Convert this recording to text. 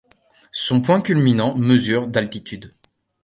Son point culminant mesure d'altitude.